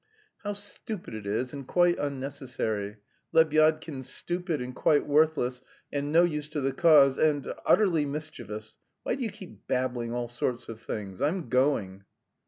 "How stupid it is... and quite unnecessary. Lebyadkin's stupid and quite worthless and no use to the cause, and... utterly mischievous. Why do you keep babbling all sorts of things? I'm going."